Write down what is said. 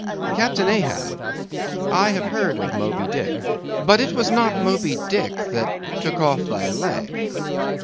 "Captain Ahab, I have heard of Moby Dick—but it was not Moby Dick that took off thy leg?"